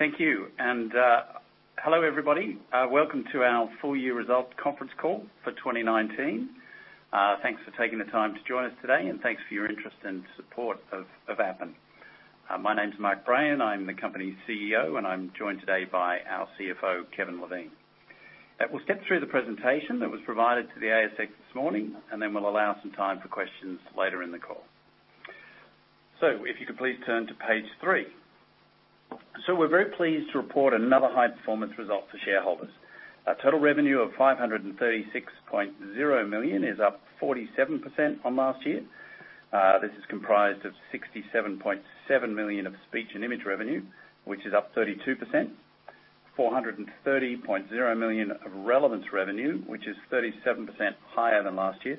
Thank you. Hello everybody. Welcome to our full year result conference call for 2019. Thanks for taking the time to join us today, and thanks for your interest and support of Appen. My name's Mark Brayan. I'm the company's CEO, and I'm joined today by our CFO, Kevin Levine. We'll step through the presentation that was provided to the ASX this morning, and then we'll allow some time for questions later in the call. If you could please turn to page three. We're very pleased to report another high-performance result for shareholders. A total revenue of 536.0 million is up 47% on last year. This is comprised of 67.7 million of speech and image revenue, which is up 32%. 430.0 million of relevance revenue, which is 37% higher than last year.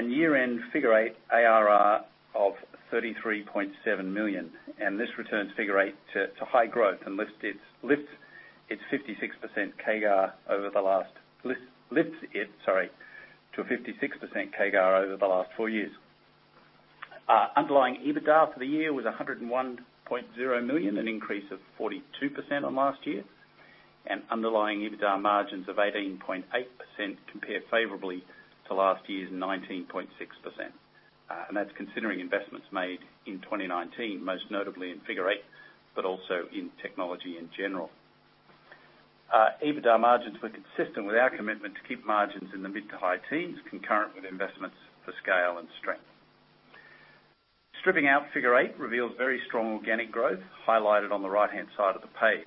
Year-end Figure Eight ARR of 33.7 million. This returns Figure Eight to high growth and lifts its 56% CAGR over the last four years. Underlying EBITDA for the year was 101.0 million, an increase of 42% on last year. Underlying EBITDA margins of 18.8% compare favorably to last year's 19.6%. That's considering investments made in 2019, most notably in Figure Eight, but also in technology in general. EBITDA margins were consistent with our commitment to keep margins in the mid to high teens concurrent with investments for scale and strength. Stripping out Figure Eight reveals very strong organic growth, highlighted on the right-hand side of the page.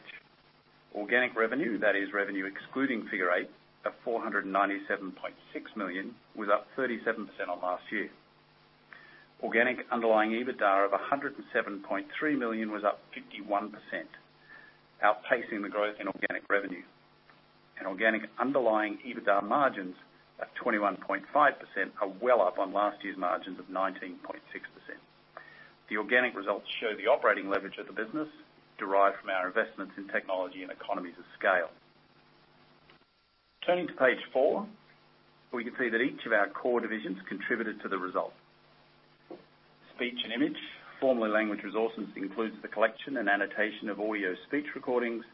Organic revenue, that is revenue excluding Figure Eight, at 497.6 million, was up 37% on last year. Organic underlying EBITDA of 107.3 million was up 51%, outpacing the growth in organic revenue. Organic underlying EBITDA margins at 21.5% are well up on last year's margins of 19.6%. The organic results show the operating leverage of the business derived from our investments in technology and economies of scale. Turning to page four, we can see that each of our core divisions contributed to the result. Speech and Image, formerly Language Resources, includes the collection and annotation of audio speech recordings,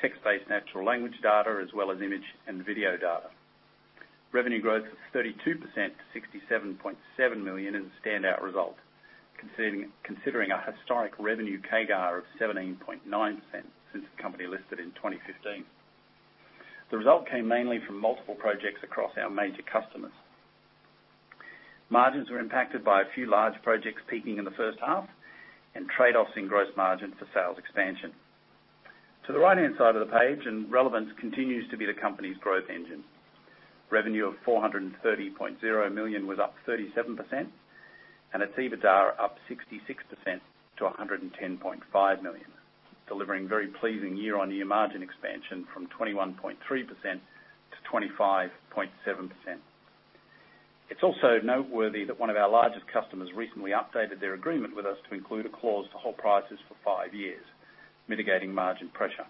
text-based natural language data, as well as image and video data. Revenue growth of 32% to 67.7 million is a standout result, considering a historic revenue CAGR of 17.9% since the company listed in 2015. The result came mainly from multiple projects across our major customers. Margins were impacted by a few large projects peaking in the first half and trade-offs in gross margins for sales expansion. To the right-hand side of the page, relevance continues to be the company's growth engine. Revenue of 430.0 million was up 37%, its EBITDA up 66% to 110.5 million, delivering very pleasing year-on-year margin expansion from 21.3% to 25.7%. It's also noteworthy that one of our largest customers recently updated their agreement with us to include a clause to hold prices for five years, mitigating margin pressure.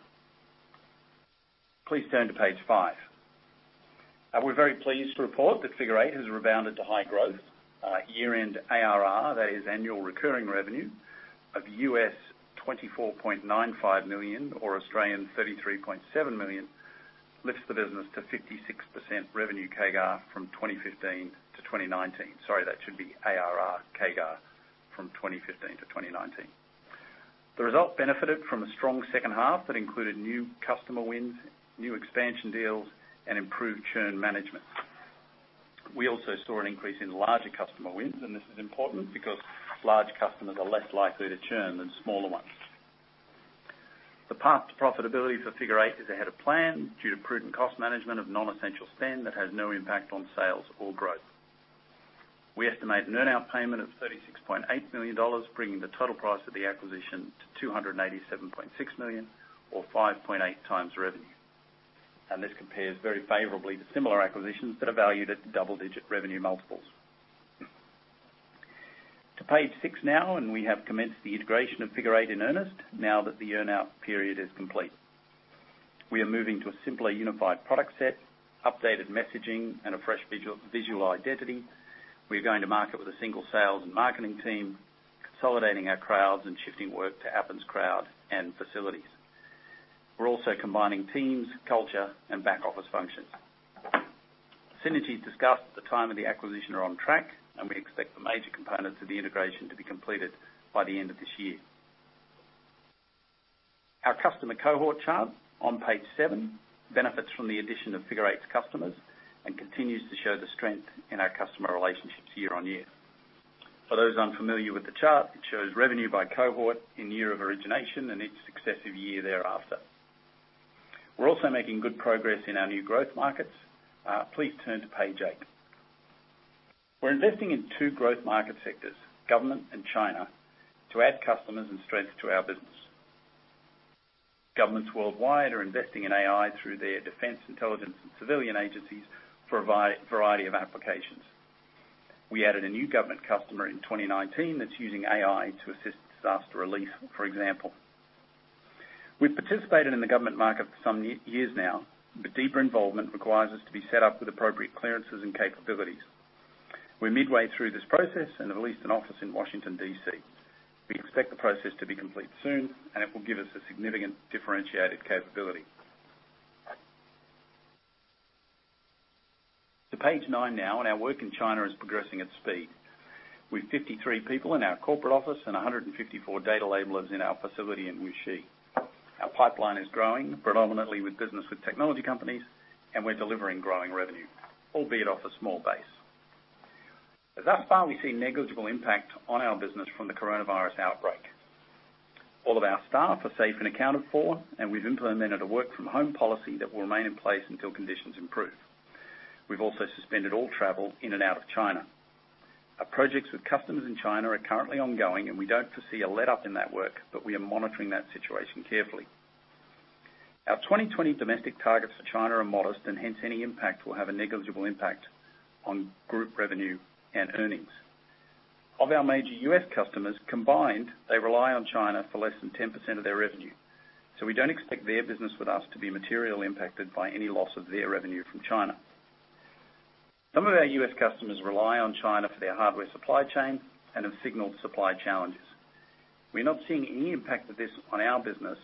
Please turn to page five. We're very pleased to report that Figure Eight has rebounded to high growth. Year-end ARR, that is annual recurring revenue, of $24.95 million or 33.7 million, lifts the business to 56% revenue CAGR from 2015 to 2019. Sorry, that should be ARR CAGR from 2015 to 2019. The result benefited from a strong second half that included new customer wins, new expansion deals, and improved churn management. We also saw an increase in larger customer wins. This is important because large customers are less likely to churn than smaller ones. The path to profitability for Figure Eight is ahead of plan due to prudent cost management of non-essential spend that has no impact on sales or growth. We estimate an earn-out payment of 36.8 million dollars, bringing the total price of the acquisition to 287.6 million or 5.8x revenue. This compares very favorably to similar acquisitions that are valued at double-digit revenue multiples. To page six now, we have commenced the integration of Figure Eight in earnest now that the earn-out period is complete. We are moving to a simpler, unified product set, updated messaging, and a fresh visual identity. We're going to market with a single sales and marketing team, consolidating our crowds and shifting work to Appen's crowd and facilities. We're also combining teams, culture, and back-office functions. Synergies discussed at the time of the acquisition are on track, and we expect the major components of the integration to be completed by the end of this year. Our customer cohort chart on page seven benefits from the addition of Figure Eight's customers and continues to show the strength in our customer relationships year-on-year. For those unfamiliar with the chart, it shows revenue by cohort in year of origination and each successive year thereafter. We're also making good progress in our new growth markets. Please turn to page eight. We're investing in two growth market sectors, government and China, to add customers and strength to our business. Governments worldwide are investing in AI through their defense intelligence and civilian agencies for a variety of applications. We added a new government customer in 2019 that's using AI to assist disaster relief, for example. We've participated in the government market for some years now, but deeper involvement requires us to be set up with appropriate clearances and capabilities. We're midway through this process and have leased an office in Washington, D.C. We expect the process to be complete soon, and it will give us a significant differentiated capability. To page nine now. Our work in China is progressing at speed. With 53 people in our corporate office and 154 data labelers in our facility in Wuxi. Our pipeline is growing predominantly with business with technology companies, and we're delivering growing revenue, albeit off a small base. Thus far, we've seen negligible impact on our business from the coronavirus outbreak. All of our staff are safe and accounted for, and we've implemented a work-from-home policy that will remain in place until conditions improve. We've also suspended all travel in and out of China. Our projects with customers in China are currently ongoing, and we don't foresee a letup in that work, but we are monitoring that situation carefully. Our 2020 domestic targets for China are modest, and hence any impact will have a negligible impact on group revenue and earnings. Of our major U.S. customers, combined, they rely on China for less than 10% of their revenue. We don't expect their business with us to be materially impacted by any loss of their revenue from China. Some of our U.S. customers rely on China for their hardware supply chain and have signaled supply challenges. We're not seeing any impact of this on our business,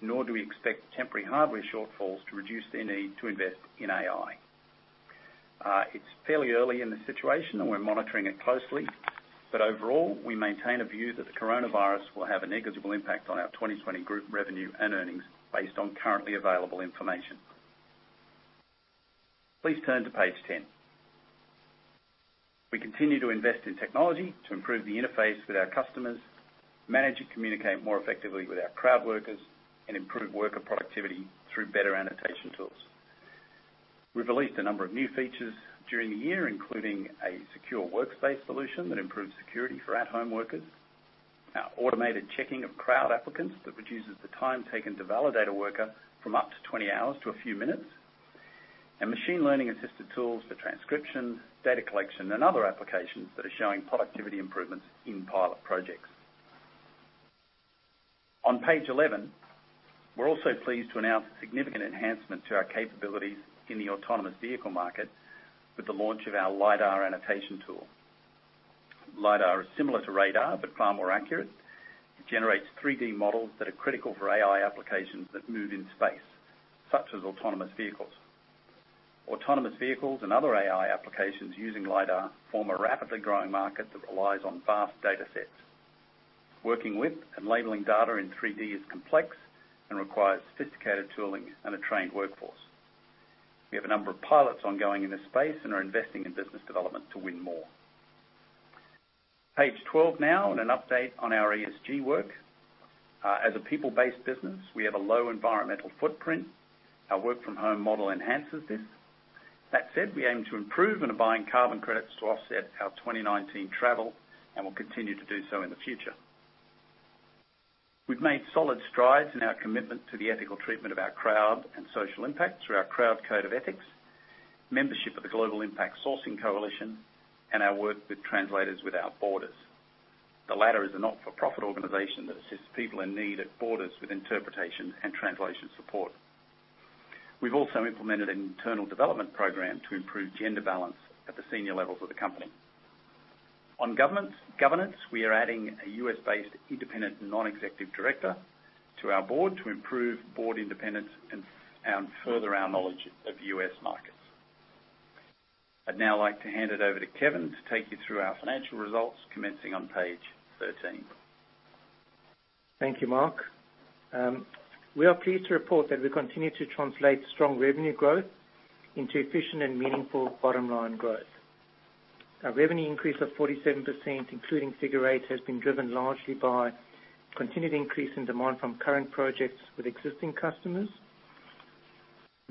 nor do we expect temporary hardware shortfalls to reduce their need to invest in AI. It's fairly early in the situation and we're monitoring it closely. Overall, we maintain a view that the coronavirus will have a negligible impact on our 2020 group revenue and earnings based on currently available information. Please turn to page 10. We continue to invest in technology to improve the interface with our customers, manage and communicate more effectively with our crowd workers, and improve worker productivity through better annotation tools. We've released a number of new features during the year, including a secure workspace solution that improves security for at-home workers, our automated checking of crowd applicants that reduces the time taken to validate a worker from up to 20 hours to a few minutes, and machine learning-assisted tools for transcription, data collection, and other applications that are showing productivity improvements in pilot projects. On page 11, we're also pleased to announce a significant enhancement to our capabilities in the autonomous vehicle market with the launch of our lidar annotation tool. Lidar is similar to radar but far more accurate. It generates 3D models that are critical for AI applications that move in space, such as autonomous vehicles. Autonomous vehicles and other AI applications using lidar form a rapidly growing market that relies on vast data sets. Working with and labeling data in 3D is complex and requires sophisticated tooling and a trained workforce. We have a number of pilots ongoing in this space and are investing in business development to win more. Page 12 now, and an update on our ESG work. As a people-based business, we have a low environmental footprint. Our work-from-home model enhances this. That said, we aim to improve and are buying carbon credits to offset our 2019 travel and will continue to do so in the future. We've made solid strides in our commitment to the ethical treatment of our crowd and social impact through our Crowd Code of Ethics, membership of the Global Impact Sourcing Coalition, and our work with Translators without Borders. The latter is a not-for-profit organization that assists people in need at borders with interpretation and translation support. We've also implemented an internal development program to improve gender balance at the senior levels of the company. On governance, we are adding a U.S.-based independent non-executive director to our board to improve board independence and further our knowledge of U.S. markets. I'd now like to hand it over to Kevin to take you through our financial results commencing on page 13. Thank you, Mark. We are pleased to report that we continue to translate strong revenue growth into efficient and meaningful bottom-line growth. Our revenue increase of 47%, including Figure Eight, has been driven largely by continued increase in demand from current projects with existing customers.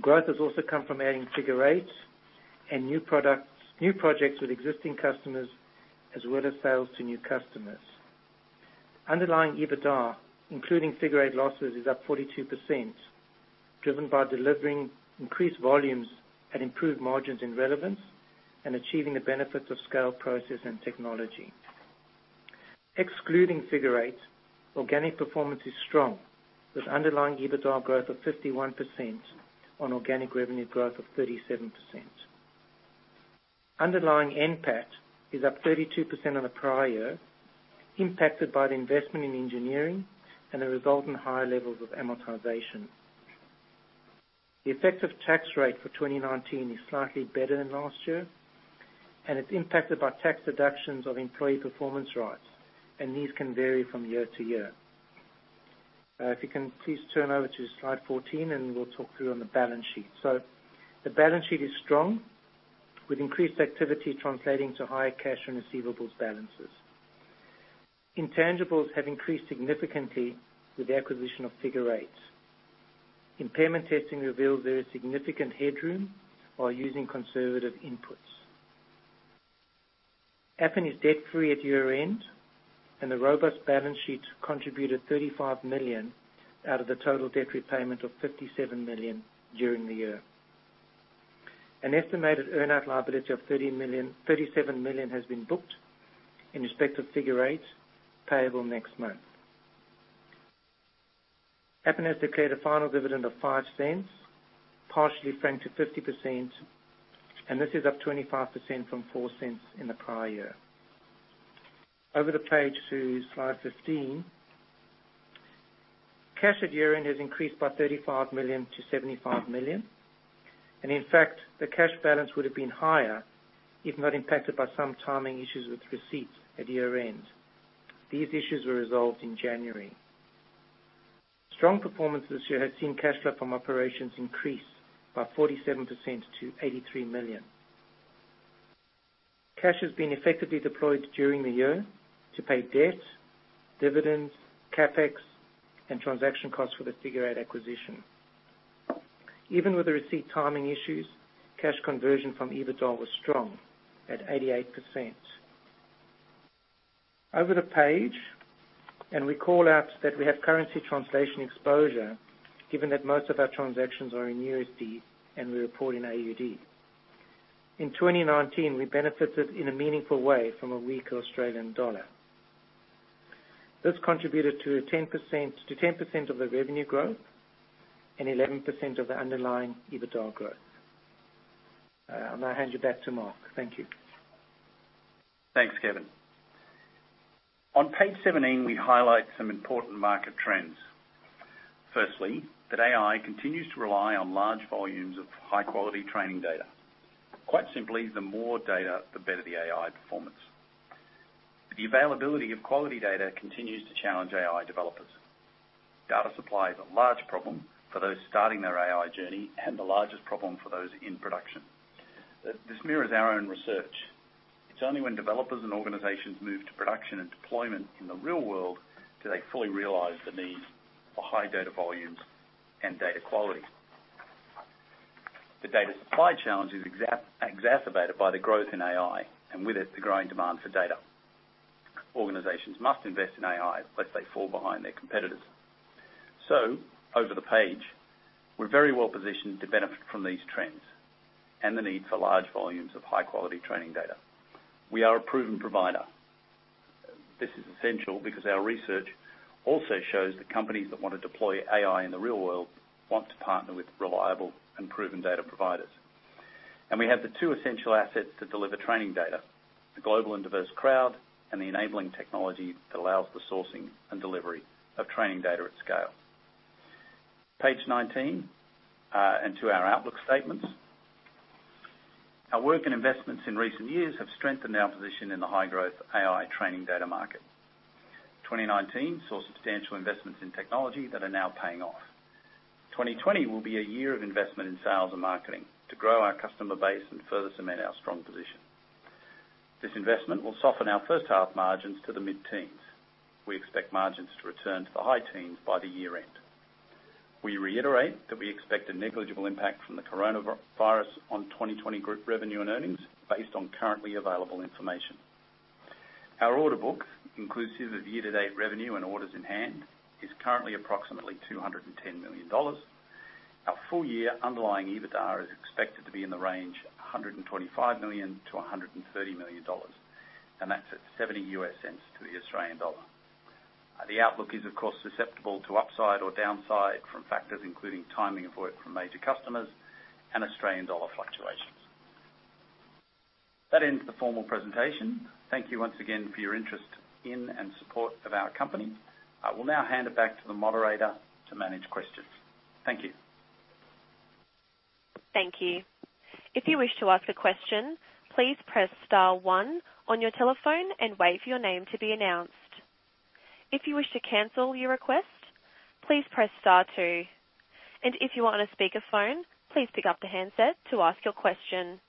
Growth has also come from adding Figure Eight and new projects with existing customers, as well as sales to new customers. Underlying EBITDA, including Figure Eight losses, is up 42%, driven by delivering increased volumes and improved margins in relevance and achieving the benefits of scale, process, and technology. Excluding Figure Eight, organic performance is strong, with underlying EBITDA growth of 51% on organic revenue growth of 37%. Underlying NPAT is up 32% on the prior year, impacted by the investment in engineering and the result in higher levels of amortization. The effective tax rate for 2019 is slightly better than last year, it's impacted by tax deductions of employee performance rights. These can vary from year to year. If you can please turn over to slide 14, we'll talk through on the balance sheet. The balance sheet is strong, with increased activity translating to higher cash and receivables balances. Intangibles have increased significantly with the acquisition of Figure Eight. Impairment testing revealed there is significant headroom while using conservative inputs. Appen is debt-free at year-end, the robust balance sheet contributed 35 million out of the total debt repayment of 57 million during the year. An estimated earn-out liability of 37 million has been booked in respect of Figure Eight, payable next month. Appen has declared a final dividend of 0.05, partially franked to 50%. This is up 25% from 0.04 in the prior year. Over the page to slide 15. Cash at year-end has increased by 35 million to 75 million. In fact, the cash balance would have been higher if not impacted by some timing issues with receipts at year-end. These issues were resolved in January. Strong performance this year has seen cash flow from operations increase by 47% to 83 million. Cash has been effectively deployed during the year to pay debt, dividends, CapEx, and transaction costs for the Figure Eight acquisition. Even with the receipt timing issues, cash conversion from EBITDA was strong at 88%. Over the page. We call out that we have currency translation exposure given that most of our transactions are in USD and we report in AUD. In 2019, we benefited in a meaningful way from a weak Australian dollar. This contributed to 10% of the revenue growth and 11% of the underlying EBITDA growth. I'll now hand you back to Mark. Thank you. Thanks, Kevin. On page 17, we highlight some important market trends. Firstly, that AI continues to rely on large volumes of high-quality training data. Quite simply, the more data, the better the AI performance. The availability of quality data continues to challenge AI developers. Data supply is a large problem for those starting their AI journey and the largest problem for those in production. This mirrors our own research. It's only when developers and organizations move to production and deployment in the real world do they fully realize the need for high data volumes and data quality. The data supply challenge is exacerbated by the growth in AI, and with it, the growing demand for data. Organizations must invest in AI lest they fall behind their competitors. Over the page, we're very well positioned to benefit from these trends and the need for large volumes of high-quality training data. We are a proven provider. This is essential because our research also shows that companies that want to deploy AI in the real world want to partner with reliable and proven data providers. We have the two essential assets to deliver training data, the global and diverse crowd, and the enabling technology that allows the sourcing and delivery of training data at scale. Page 19. To our outlook statements. Our work and investments in recent years have strengthened our position in the high-growth AI training data market. 2019 saw substantial investments in technology that are now paying off. 2020 will be a year of investment in sales and marketing to grow our customer base and further cement our strong position. This investment will soften our first half margins to the mid-teens. We expect margins to return to the high teens by the year-end. We reiterate that we expect a negligible impact from the coronavirus on 2020 group revenue and earnings based on currently available information. Our order book, inclusive of year-to-date revenue and orders in hand, is currently approximately 210 million dollars. Our full-year underlying EBITDA is expected to be in the range of 125 million-130 million dollars, that's at $0.70 to the Australian dollar. The outlook is, of course, susceptible to upside or downside from factors including timing of work from major customers and Australian dollar fluctuations. That ends the formal presentation. Thank you once again for your interest in and support of our company. I will now hand it back to the moderator to manage questions. Thank you. Thank you. If you wish to ask a question, please press star one on your telephone and wait for your name to be announced. If you wish to cancel your request, please press star two. If you are on a speakerphone, please pick up the handset to ask your question.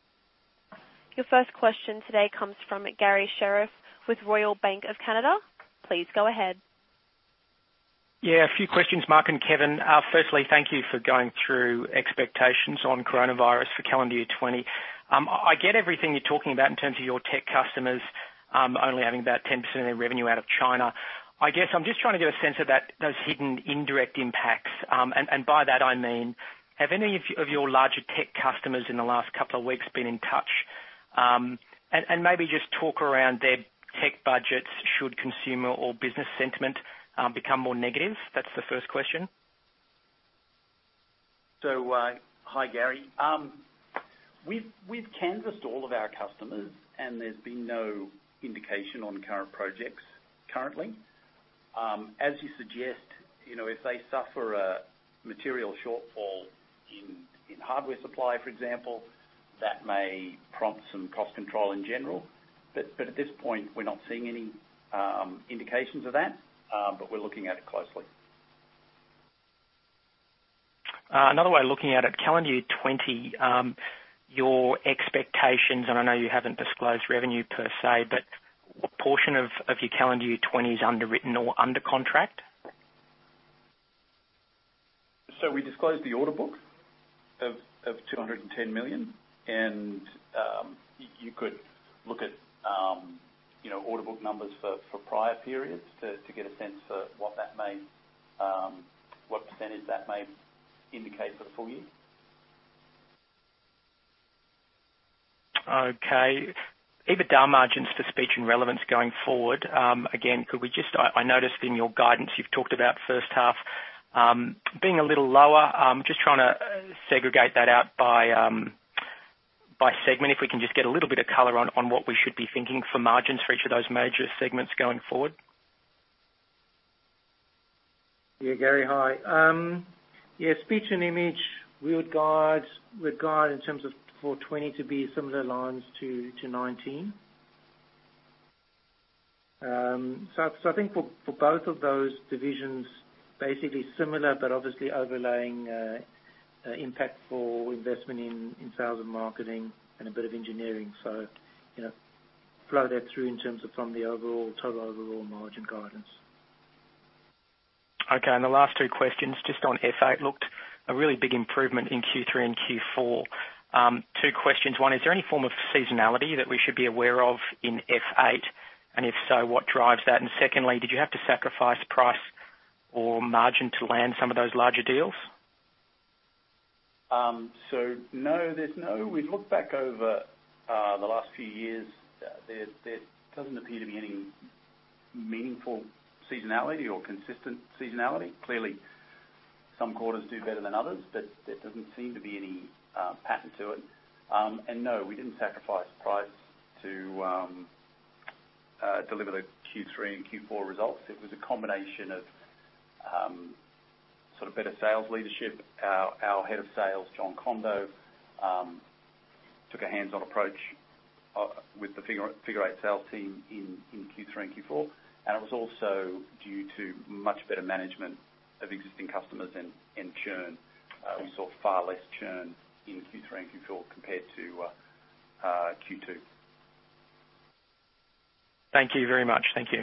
Your first question today comes from Garry Sherriff with Royal Bank of Canada. Please go ahead. Yeah, a few questions, Mark and Kevin. Firstly, thank you for going through expectations on coronavirus for calendar year 2020. I get everything you're talking about in terms of your tech customers only having about 10% of their revenue out of China. I guess I'm just trying to get a sense of those hidden indirect impacts. By that I mean, have any of your larger tech customers in the last couple of weeks been in touch? Maybe just talk around their tech budgets should consumer or business sentiment become more negative? That's the first question. Hi, Garry. We've canvassed all of our customers, and there's been no indication on current projects currently. As you suggest, if they suffer a material shortfall in hardware supply, for example, that may prompt some cost control in general. At this point, we're not seeing any indications of that, but we're looking at it closely. Another way of looking at it, calendar year 2020, your expectations, and I know you haven't disclosed revenue per say, but what portion of your calendar year 2020 is underwritten or under contract? We disclosed the order book of 210 million and you could look at order book numbers for prior periods to get a sense for what percentage that may indicate for the full year. Okay. EBITDA margins for Speech and Relevance going forward. I noticed in your guidance you've talked about first half being a little lower. I'm just trying to segregate that out by segment, if we can just get a little bit of color on what we should be thinking for margins for each of those major segments going forward? Yeah, Garry. Hi. Yeah, Speech and Image, we would guide in terms of for 2020 to be similar lines to 2019. I think for both of those divisions, basically similar, but obviously overlaying impact for investment in sales and marketing and a bit of engineering. Flow that through in terms of from the total overall margin guidance. Okay. The last two questions, just on Figure Eight. Looked a really big improvement in Q3 and Q4. Two questions. One, is there any form of seasonality that we should be aware of in Figure Eight, and if so, what drives that? Secondly, did you have to sacrifice price or margin to land some of those larger deals? No. We've looked back over the last few years. There doesn't appear to be any meaningful seasonality or consistent seasonality. Clearly, some quarters do better than others, but there doesn't seem to be any pattern to it. No, we didn't sacrifice price to deliver the Q3 and Q4 results. It was a combination of better sales leadership. Our head of sales, Jon Kondo, took a hands-on approach with the Figure Eight sales team in Q3 and Q4, and it was also due to much better management of existing customers and churn. We saw far less churn in Q3 and Q4 compared to Q2. Thank you very much. Thank you.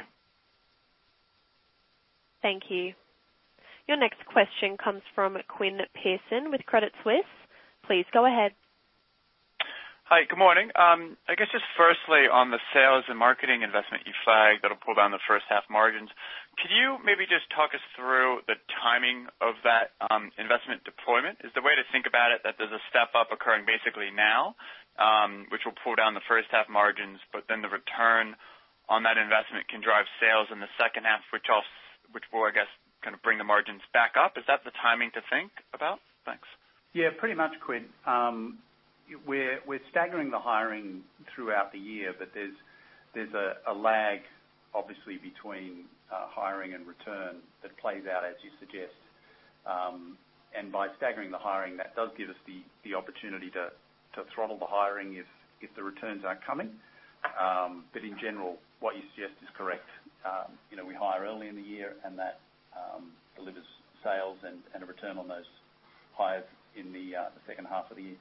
Thank you. Your next question comes from Quinn Pierson with Credit Suisse. Please go ahead. Hi, good morning. I guess just firstly on the sales and marketing investment you flagged that will pull down the first half margins. Could you maybe just talk us through the timing of that investment deployment? Is the way to think about it that there is a step-up occurring basically now, which will pull down the first half margins, but then the return on that investment can drive sales in the second half, which will, I guess, kind of bring the margins back up. Is that the timing to think about? Thanks. Yeah, pretty much, Quinn. We're staggering the hiring throughout the year, but there's a lag obviously between hiring and return that plays out as you suggest. By staggering the hiring, that does give us the opportunity to throttle the hiring if the returns aren't coming. In general, what you suggest is correct. We hire early in the year, and that delivers sales and a return on those hires in the second half of the year.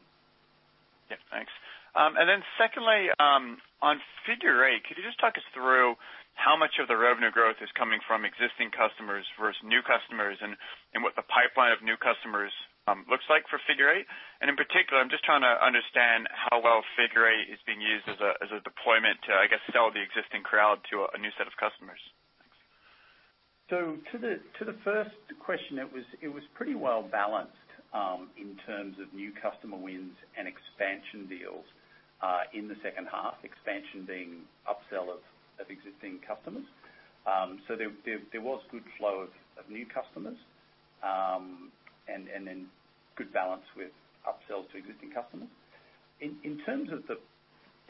Yeah, thanks. Then secondly, on Figure Eight, could you just talk us through how much of the revenue growth is coming from existing customers versus new customers and what the pipeline of new customers looks like for Figure Eight? In particular, I'm just trying to understand how well Figure Eight is being used as a deployment to, I guess, sell the existing crowd to a new set of customers? To the first question, it was pretty well-balanced in terms of new customer wins and expansion deals in the second half. Expansion being upsell of existing customers. There was good flow of new customers, and then good balance with upsells to existing customers. In terms of the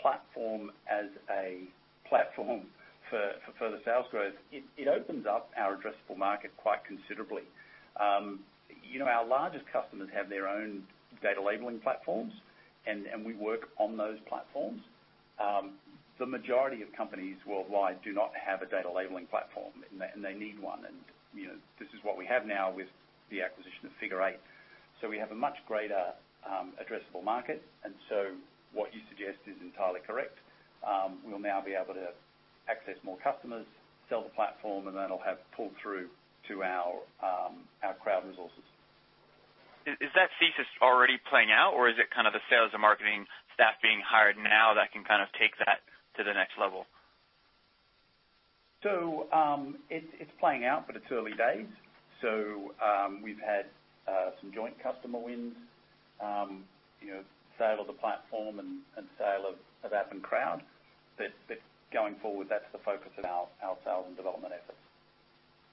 platform as a platform for further sales growth, it opens up our addressable market quite considerably. Our largest customers have their own data labeling platforms, and we work on those platforms. The majority of companies worldwide do not have a data labeling platform, and they need one. This is what we have now with the acquisition of Figure Eight. We have a much greater addressable market. What you suggest is entirely correct. We'll now be able to access more customers, sell the platform, and that'll have pull-through to our crowd resources. Is that thesis already playing out, or is it kind of the sales and marketing staff being hired now that can kind of take that to the next level? It's playing out, but it's early days. We've had some joint customer wins. Sale of the platform and sale of Appen Crowd. Going forward, that's the focus of our sales and development efforts.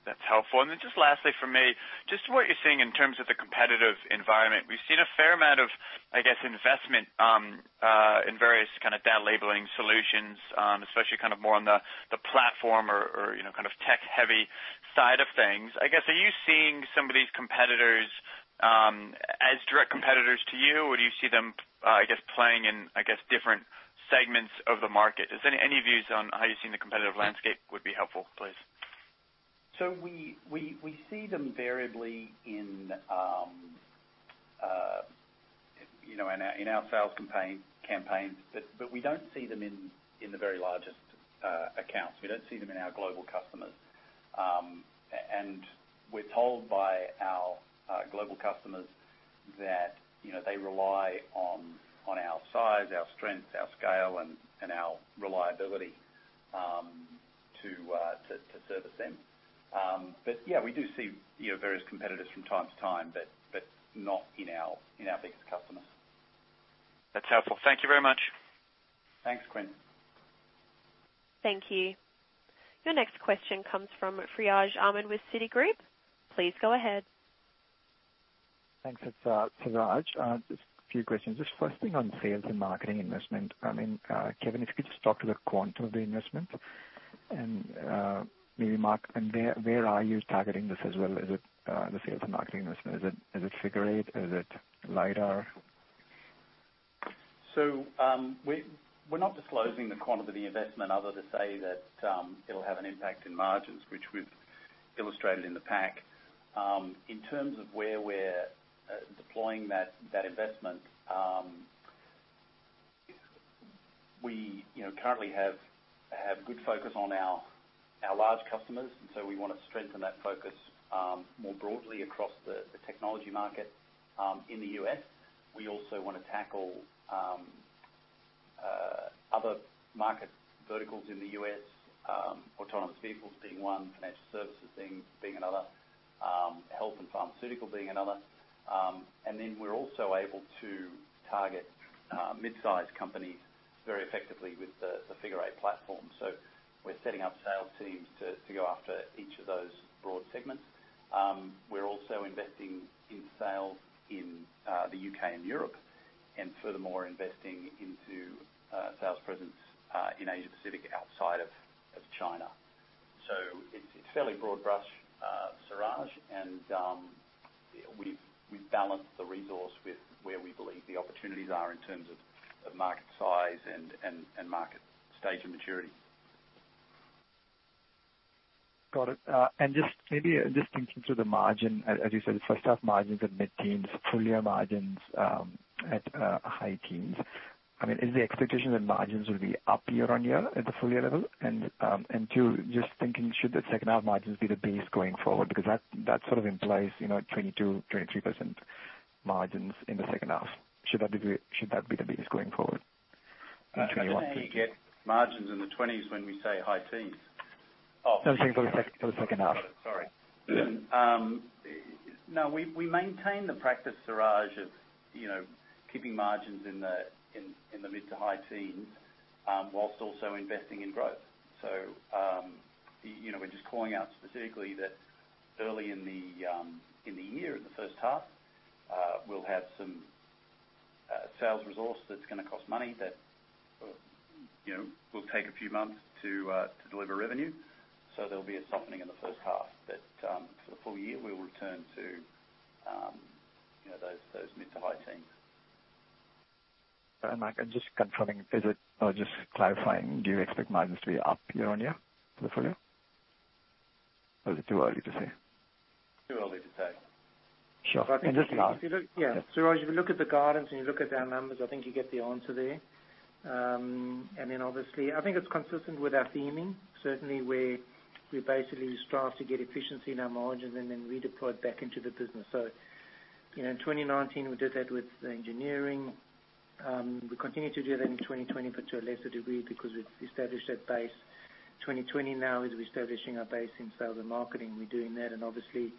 That's helpful. Then just lastly from me, just what you're seeing in terms of the competitive environment. We've seen a fair amount of, I guess, investment in various kind of data labeling solutions, especially more on the platform or kind of tech-heavy side of things. I guess, are you seeing some of these competitors as direct competitors to you, or do you see them, I guess, playing in different segments of the market? Any views on how you're seeing the competitive landscape would be helpful, please. We see them variably in our sales campaigns, but we don't see them in the very largest accounts. We don't see them in our global customers. We're told by our global customers that they rely on our size, our strength, our scale, and our reliability to service them. Yeah, we do see various competitors from time to time, but not in our biggest customers. That's helpful. Thank you very much. Thanks, Quinn. Thank you. Your next question comes from Siraj Ahmed with Citigroup. Please go ahead. Thanks. It's Siraj. Just a few questions. Just first thing on sales and marketing investment. Kevin, if you could just talk to the quantum of the investment and maybe, Mark, and where are you targeting this as well? Is it the sales and marketing investment, is it Figure Eight? Is it lidar? We're not disclosing the quantum of the investment other to say that it'll have an impact in margins, which we've illustrated in the pack. In terms of where we're deploying that investment, we currently have good focus on our large customers, we want to strengthen that focus more broadly across the technology market in the U.S. We also want to tackle other market verticals in the U.S., autonomous vehicles being one, financial services being another, health and pharmaceutical being another. We're also able to target mid-size companies very effectively with the Figure Eight platform. We're setting up sales teams to go after each of those broad segments. We're also investing in sales in the U.K. and Europe, and furthermore, investing into sales presence in Asia Pacific outside of China. It's fairly broad brush, Siraj. We've balanced the resource with where we believe the opportunities are in terms of market size and market stage of maturity. Got it. Just thinking through the margin, as you said, first half margins at mid-teens, full-year margins at high teens. Is the expectation that margins will be up year-on-year at the full year level? Two, just thinking, should the second half margins be the base going forward? That sort of implies 22%-23% margins in the second half. Should that be the base going forward in 2020? Where do you get margins in the 20s when we say high teens? Oh. No, I'm saying for the second half. Got it. Sorry. No. We maintain the practice, Siraj, of keeping margins in the mid to high teens, while also investing in growth. We're just calling out specifically that early in the year, in the first half, we'll have some sales resource that's going to cost money that will take a few months to deliver revenue. There'll be a softening in the first half. For the full year, we'll return to those mid to high teens. Mark, just confirming, or just clarifying, do you expect margins to be up year-on-year for the full year? Is it too early to say? Too early to say. Sure. Yeah. Siraj, if you look at the guidance and you look at our numbers, I think you get the answer there. Obviously, I think it's consistent with our theming, certainly, where we basically strive to get efficiency in our margins and then redeploy it back into the business. In 2019, we did that with engineering. We continue to do that in 2020, but to a lesser degree, because we've established that base. 2020 now is reestablishing our base in sales and marketing. We're doing that and obviously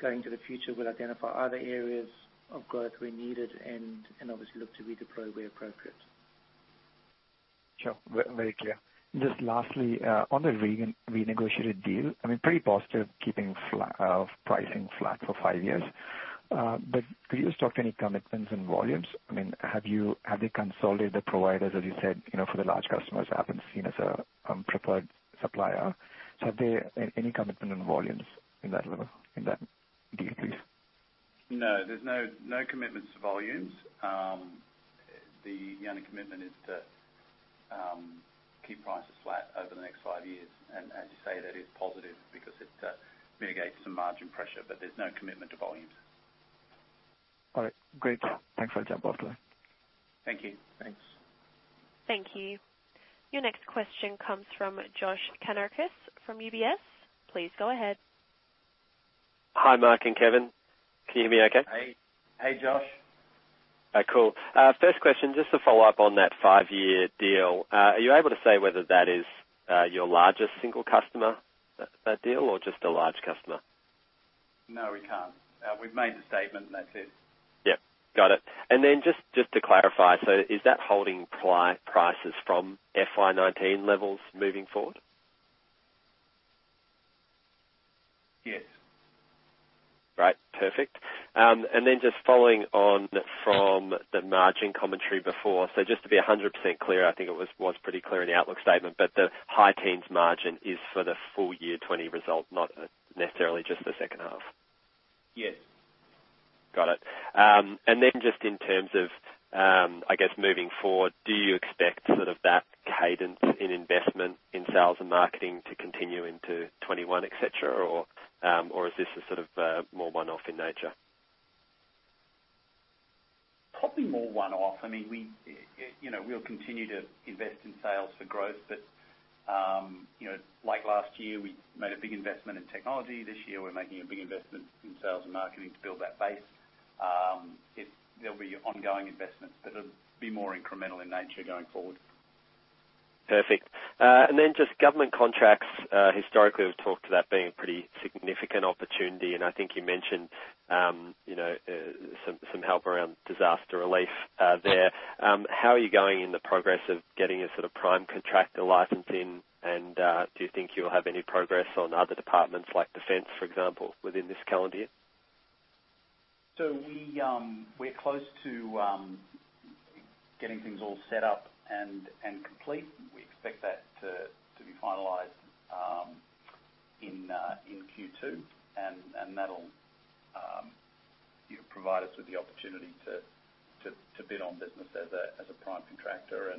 going to the future, we'll identify other areas of growth where needed and obviously look to redeploy where appropriate. Sure. Very clear. Just lastly, on the renegotiated deal, pretty positive keeping pricing flat for five years. Could you just talk to any commitments and volumes? Have they consolidated the providers, as you said, for the large customers Appen's seen as a preferred supplier? Have there any commitment on volumes in that deal, please? No, there's no commitments to volumes. The only commitment is to keep prices flat over the next five years. As you say, that is positive because it mitigates some margin pressure, but there's no commitment to volumes. All right. Great. Thanks for the update. Thank you. Thanks. Thank you. Your next question comes from Josh Kannourakis from UBS. Please go ahead. Hi, Mark and Kevin. Can you hear me okay? Hey. Hey, Josh. Cool. First question, just to follow up on that five-year deal. Are you able to say whether that is your largest single customer, that deal, or just a large customer? No, we can't. We've made the statement, and that's it. Yep. Got it. Just to clarify, so is that holding prices from FY 2019 levels moving forward? Yes. Great. Perfect. Just following on from the margin commentary before, so just to be 100% clear, I think it was pretty clear in the outlook statement, but the high teens margin is for the full year 2020 result, not necessarily just the second half. Yes. Got it. Then just in terms of, I guess, moving forward, do you expect sort of that cadence in investment in sales and marketing to continue into 2021, et cetera, or is this a sort of more one-off in nature? Probably more one-off. We'll continue to invest in sales for growth, but like last year, we made a big investment in technology. This year, we're making a big investment in sales and marketing to build that base. There'll be ongoing investments that'll be more incremental in nature going forward. Perfect. Then just government contracts. Historically, we've talked to that being a pretty significant opportunity, and I think you mentioned some help around disaster relief there. How are you going in the progress of getting a sort of prime contractor license in? Do you think you'll have any progress on other departments like Defense, for example, within this calendar year? We're close to getting things all set up and complete. We expect that to be finalized in Q2, and that'll provide us with the opportunity to bid on business as a prime contractor.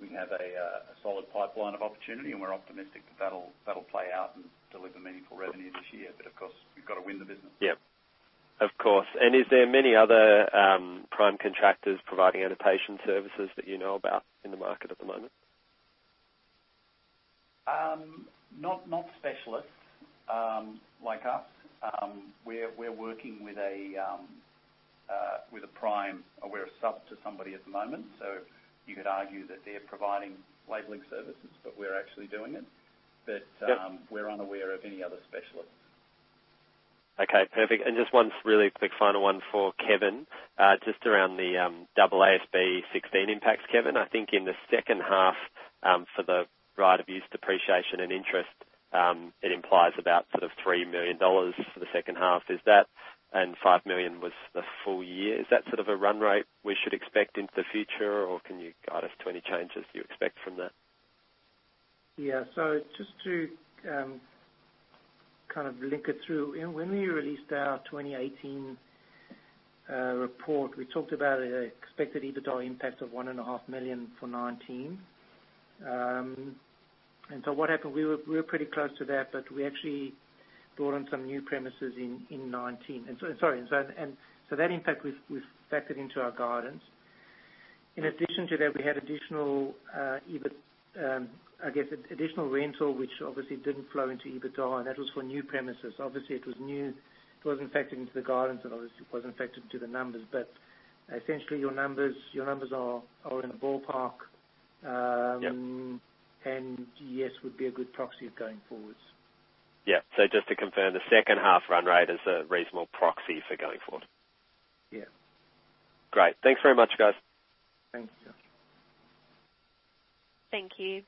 We have a solid pipeline of opportunity, and we're optimistic that that'll play out and deliver meaningful revenue this year. Of course, we've got to win the business. Yep. Of course. Are there many other prime contractors providing annotation services that you know about in the market at the moment? Not specialists like us. We're a sub to somebody at the moment. You could argue that they're providing labeling services, but we're actually doing it. Yep we're unaware of any other specialists. Okay, perfect. Just one really quick final one for Kevin, just around the AASB 16 impacts, Kevin. I think in the second half for the right of use depreciation and interest, it implies about sort of 3 million dollars for the second half and 5 million was the full year. Is that sort of a run rate we should expect into the future? Or can you guide us to any changes you expect from that? Just to kind of link it through, when we released our 2018 report, we talked about an expected EBITDA impact of one and a half million for 2019. What happened, we were pretty close to that, but we actually brought on some new premises in 2019. Sorry, that impact we've factored into our guidance. In addition to that, we had, I guess, additional rental, which obviously didn't flow into EBITDA, and that was for new premises. Obviously, it was new. It wasn't factored into the guidance and obviously it wasn't factored into the numbers. Essentially, your numbers are in the ballpark. Yep Yes, would be a good proxy going forwards. Just to confirm, the second half run rate is a reasonable proxy for going forward? Yeah. Great. Thanks very much, guys. Thanks Josh. Thank you.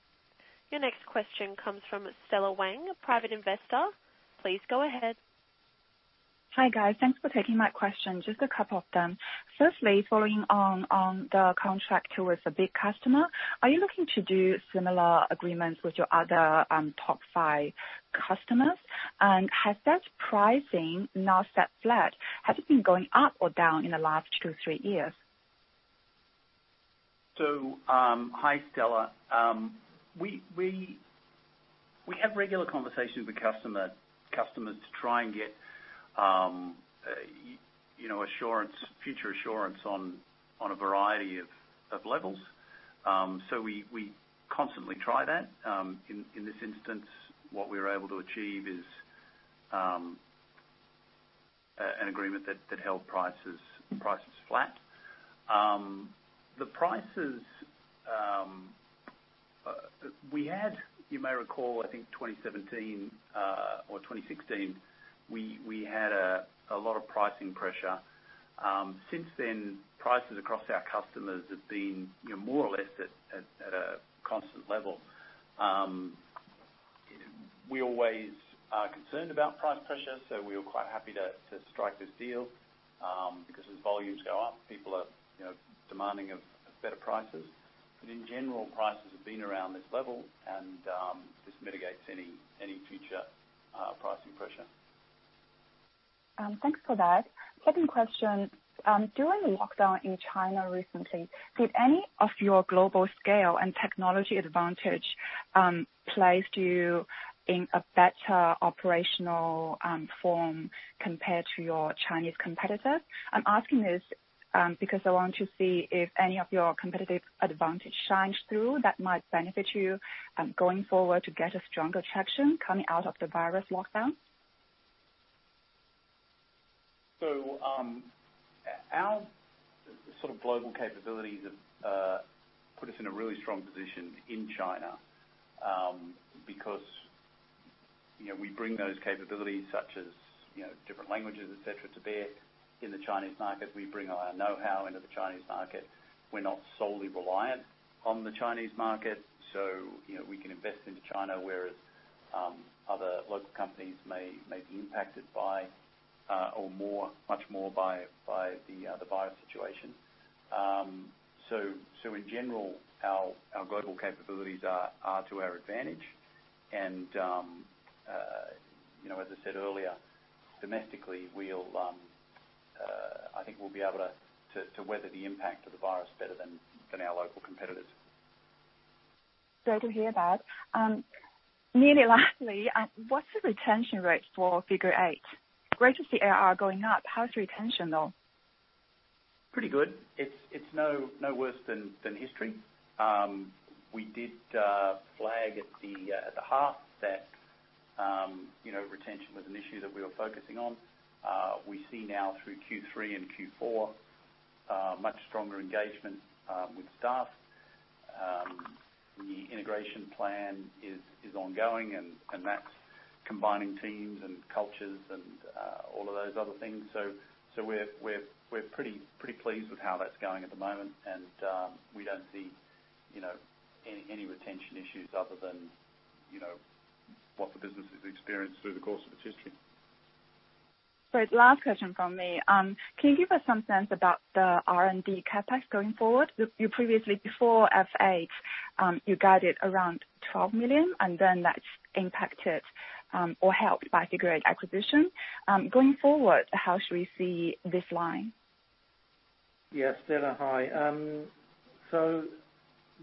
Your next question comes from Stella Wang, a private investor. Please go ahead. Hi, guys. Thanks for taking my question, just a couple of them. Firstly, following on the contract towards a big customer, are you looking to do similar agreements with your other top five customers? Has that pricing now set flat, has it been going up or down in the last two, three years? Hi, Stella. We have regular conversations with customers to try and get future assurance on a variety of levels. We constantly try that. In this instance, what we were able to achieve is an agreement that held prices flat. The prices, we had, you may recall, I think 2017 or 2016, we had a lot of pricing pressure. Since then, prices across our customers have been more or less at a constant level. We always are concerned about price pressure, so we were quite happy to strike this deal, because as volumes go up, people are demanding better prices. In general, prices have been around this level, and this mitigates any future pricing pressure. Thanks for that. Second question. During the lockdown in China recently, did any of your global scale and technology advantage place you in a better operational form compared to your Chinese competitors? I'm asking this because I want to see if any of your competitive advantage shines through that might benefit you going forward to get a stronger traction coming out of the virus lockdown. Our sort of global capabilities have put us in a really strong position in China, because we bring those capabilities such as different languages, et cetera, to bear in the Chinese market. We bring our knowhow into the Chinese market. We're not solely reliant on the Chinese market, so we can invest into China, whereas other local companies may be impacted much more by the virus situation. In general, our global capabilities are to our advantage. As I said earlier, domestically, I think we'll be able to weather the impact of the virus better than our local competitors. Glad to hear that. Nearly lastly, what's the retention rate for Figure Eight? Growth is going up. How is retention, though? Pretty good. It's no worse than history. We did flag at the half that retention was an issue that we were focusing on. We see now through Q3 and Q4, much stronger engagement with staff. The integration plan is ongoing, and that's combining teams and cultures and all of those other things. We're pretty pleased with how that's going at the moment. We don't see any retention issues other than what the business has experienced through the course of its history. Great. Last question from me. Can you give us some sense about the R&D CapEx going forward? You previously, before F8, you guided around 12 million, and then that's impacted, or helped by Figure Eight acquisition. Going forward, how should we see this line? Stella, hi.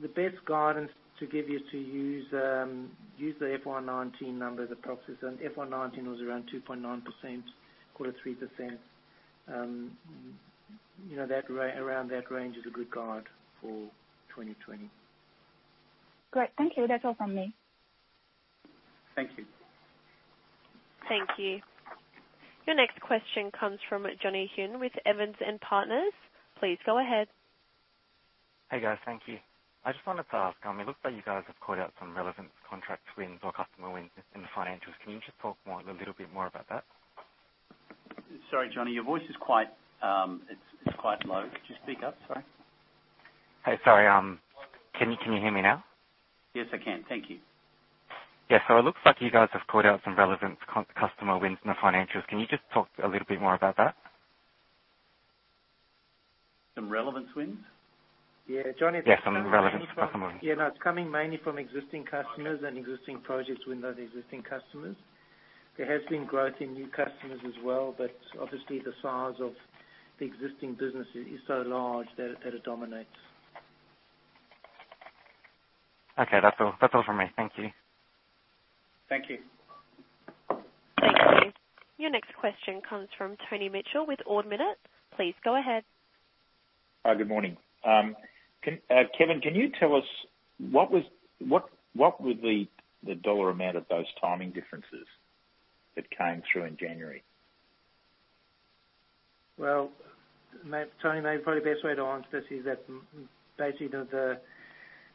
The best guidance to give you is to use the FY 2019 number as a proxy. FY 2019 was around 2.9%, call it 3%. Around that range is a good guide for 2020. Great. Thank you. That's all from me. Thank you. Thank you. Your next question comes from Johnny Huynh with Evans and Partners. Please go ahead. Hey, guys. Thank you. I just wanted to ask, it looks like you guys have called out some relevant contract wins or customer wins in the financials. Can you just talk a little bit more about that? Sorry, Johnny. Your voice is quite low. Could you speak up, sorry? Hey, sorry. Can you hear me now? Yes, I can. Thank you. It looks like you guys have called out some relevant customer wins in the financials. Can you just talk a little bit more about that? Some relevance wins? Yeah, Johnny. Yes, some relevance customer wins. Yeah, no, it's coming mainly from existing customers and existing projects with those existing customers. There has been growth in new customers as well, but obviously the size of the existing business is so large that it dominates. Okay. That's all from me. Thank you. Thank you. Thank you. Your next question comes from Tony Mitchell with Ord Minnett. Please go ahead. Hi. Good morning. Kevin, can you tell us what was the dollar amount of those timing differences that came through in January? Well, Tony, maybe probably the best way to answer this is that basically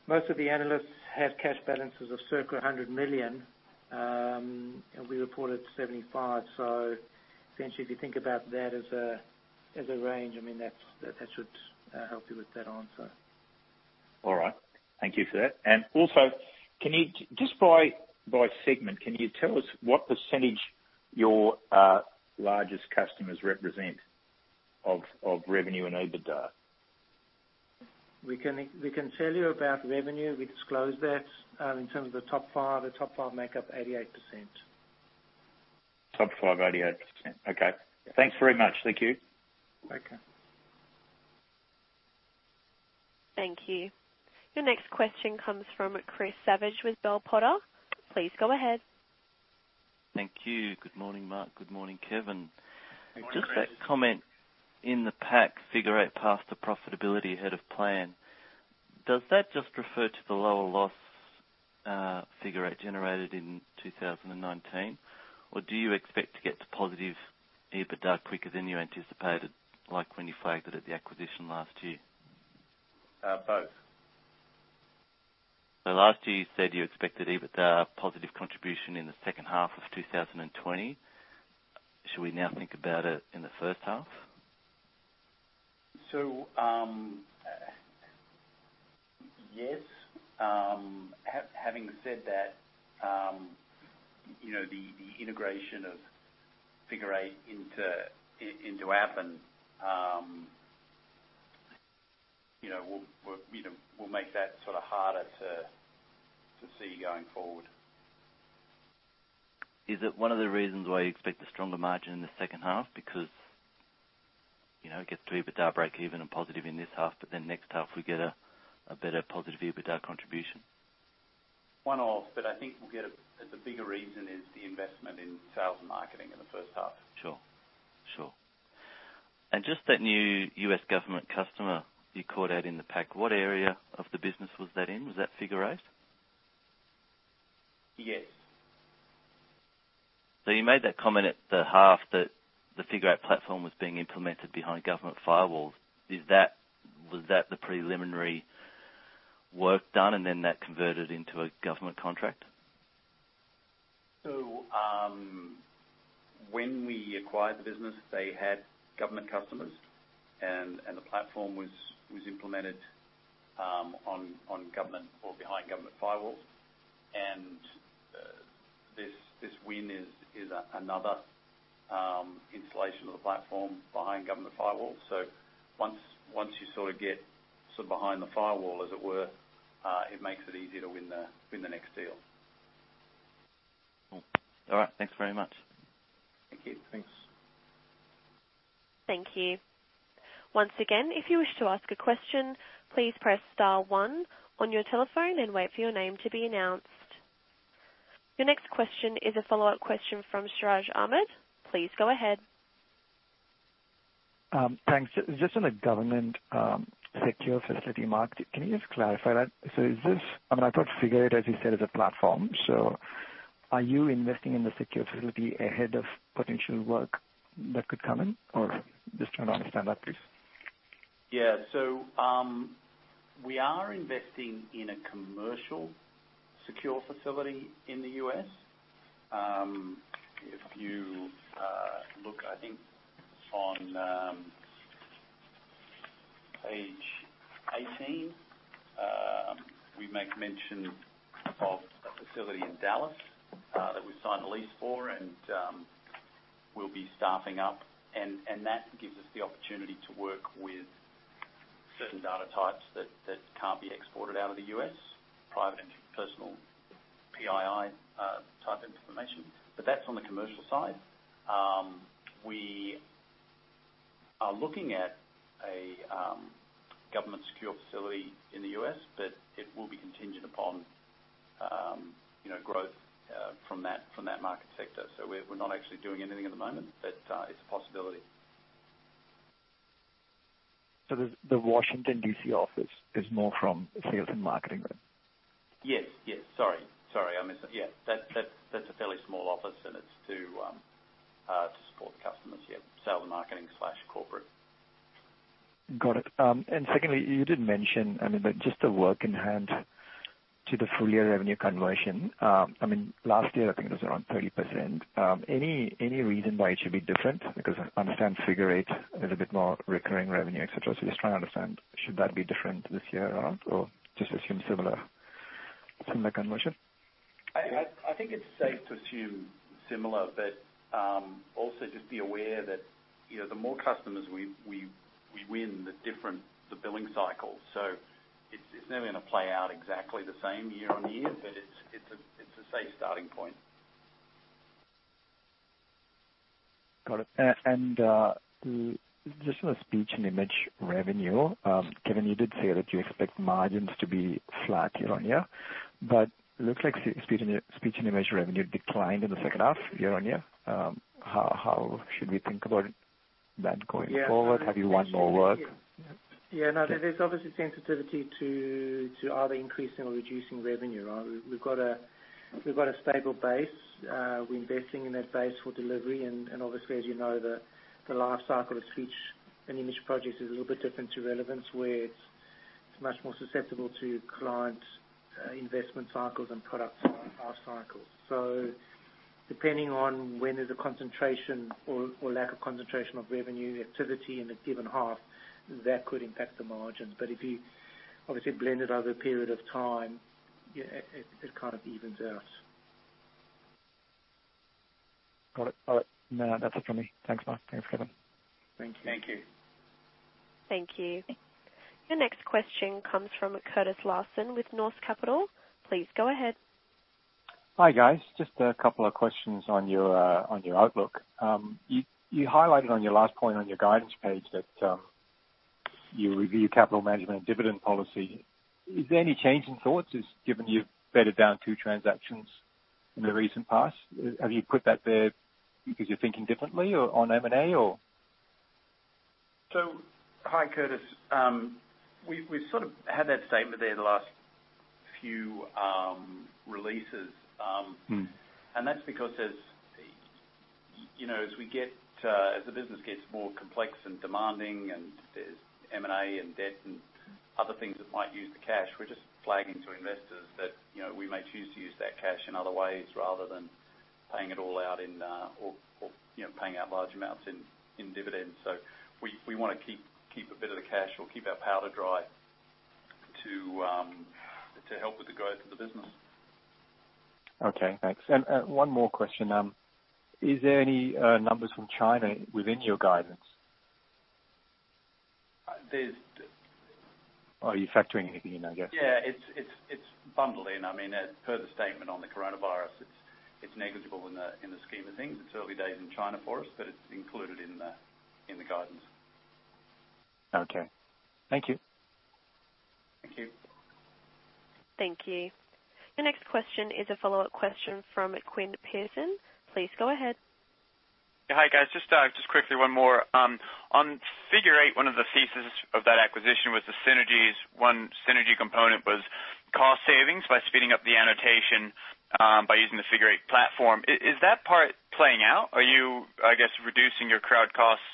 most of the analysts have cash balances of circa 100 million, and we reported 75 million. Essentially, if you think about that as a range, that should help you with that answer. All right. Thank you for that. Also, just by segment, can you tell us what percentage your largest customers represent of revenue and EBITDA? We can tell you about revenue. We disclose that. In terms of the top five, the top five make up 88%. Top five, 88%. Okay. Yeah. Thanks very much. Thank you. Okay. Thank you. Your next question comes from Chris Savage with Bell Potter. Please go ahead. Thank you. Good morning, Mark. Good morning, Kevin. Good morning, Chris. Just that comment in the pack, Figure Eight path to profitability ahead of plan. Does that just refer to the lower loss Figure Eight generated in 2019? Do you expect to get to positive EBITDA quicker than you anticipated, like when you flagged it at the acquisition last year? Both. Last year, you said you expected EBITDA positive contribution in the second half of 2020. Should we now think about it in the first half? Yes. Having said that, the integration of Figure Eight into Appen will make that harder to see going forward. Is it one of the reasons why you expect a stronger margin in the second half? It gets to EBITDA breakeven and positive in this half, but then next half, we get a better positive EBITDA contribution. One off, I think the bigger reason is the investment in sales and marketing in the first half. Sure. Sure. Just that new U.S. government customer you called out in the pack, what area of the business was that in? Was that Figure Eight? Yes. You made that comment at the half that the Figure Eight platform was being implemented behind government firewalls. Was that the preliminary work done and then that converted into a government contract? When we acquired the business, they had government customers and the platform was implemented on government or behind government firewalls. This win is another installation of the platform behind government firewalls. Once you get behind the firewall, as it were, it makes it easier to win the next deal. Cool. All right. Thanks very much. Thank you. Thanks. Thank you. Once again, if you wish to ask a question, please press star one on your telephone and wait for your name to be announced. Your next question is a follow-up question from Siraj Ahmed. Please go ahead. Thanks. Just on the government secure facility market, can you just clarify that? I mean, I thought Figure Eight, as you said, is a platform. Are you investing in the secure facility ahead of potential work that could come in? Just trying to understand that, please. Yeah. We are investing in a commercial secure facility in the U.S. If you look, I think on page 18, we make mention of a facility in Dallas that we signed a lease for and we'll be staffing up. That gives us the opportunity to work with certain data types that can't be exported out of the U.S., private and personal PII type information. That's on the commercial side. We are looking at a government secure facility in the U.S., but it will be contingent upon growth from that market sector. We're not actually doing anything at the moment, but it's a possibility. The Washington, D.C. office is more from sales and marketing then? Yes. Sorry, I misunderstood. Yeah, that's a fairly small office and it's to support the customers. Yeah. Sales and marketing/corporate. Got it. Secondly, you did mention, I mean, but just the work in hand to the full year revenue conversion. Last year I think it was around 30%. Any reason why it should be different? I understand Figure Eight is a bit more recurring revenue, et cetera. Just trying to understand should that be different this year around or just assume similar conversion? I think it's safe to assume similar. Also just be aware that the more customers we win, the billing cycle. It's never going to play out exactly the same year-on-year, but it's a safe starting point. Got it. Just on the speech and image revenue. Kevin, you did say that you expect margins to be flat year-on-year. Looks like speech and image revenue declined in the second half year-on-year. How should we think about that going forward? Have you won more work? Yeah, no, there's obviously sensitivity to either increasing or reducing revenue, right. We've got a stable base. We're investing in that base for delivery. Obviously, as you know, the life cycle of speech and image projects is a little bit different to relevance, where it's much more susceptible to client investment cycles and product life cycles. Depending on when there's a concentration or lack of concentration of revenue activity in a given half, that could impact the margins. If you obviously blend it over a period of time, it kind of evens out. Got it. No, that's it from me. Thanks a lot. Thanks, Kevin. Thank you. Thank you. Thank you. Your next question comes from Curtis Larson with Norse Capital. Please go ahead. Hi, guys. Just a couple of questions on your outlook. You highlighted on your last point on your guidance page that you review capital management and dividend policy. Is there any change in thoughts, given you've bedded down two transactions in the recent past? Have you put that there because you're thinking differently on M&A or? Hi, Curtis. We've sort of had that statement there the last few releases. That's because as the business gets more complex and demanding and there's M&A and debt and other things that might use the cash, we're just flagging to investors that we may choose to use that cash in other ways rather than paying it all out or paying out large amounts in dividends. We want to keep a bit of the cash or keep our powder dry to help with the growth of the business. Okay, thanks. One more question. Is there any numbers from China within your guidance? There's- Are you factoring it in, I guess? It's bundled in. I mean, per the statement on the coronavirus, it's negligible in the scheme of things. It's early days in China for us, but it's included in the guidance. Okay. Thank you. Thank you. Thank you. Your next question is a follow-up question from Quinn Pierson. Please go ahead. Yeah. Hi, guys. Just quickly one more. On Figure Eight, one of the thesis of that acquisition was the synergies. One synergy component was cost savings by speeding up the annotation by using the Figure Eight platform. Is that part playing out? Are you, I guess, reducing your crowd costs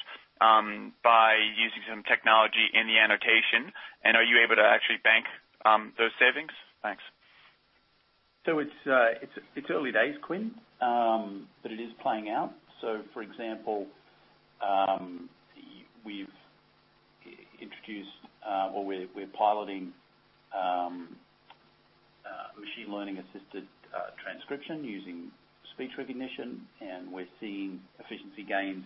by using some technology in the annotation? Are you able to actually bank those savings? Thanks. It's early days, Quinn. It is playing out. For example, we've introduced or we're piloting machine learning assisted transcription using speech recognition, and we're seeing efficiency gains,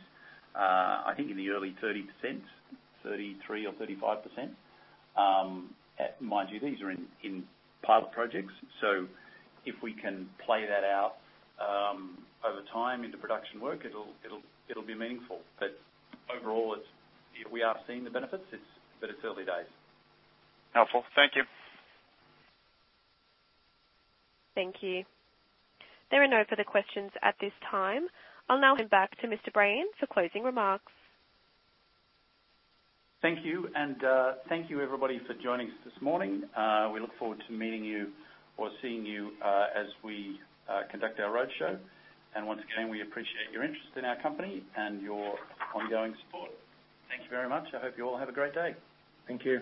I think in the early 30%, 33% or 35%. Mind you, these are in pilot projects. If we can play that out over time into production work, it'll be meaningful. Overall, we are seeing the benefits, but it's early days. Helpful. Thank you. Thank you. There are no further questions at this time. I'll now hand back to Mr. Brayan for closing remarks. Thank you. Thank you everybody for joining us this morning. We look forward to meeting you or seeing you as we conduct our roadshow. Once again, we appreciate your interest in our company and your ongoing support. Thank you very much. I hope you all have a great day. Thank you.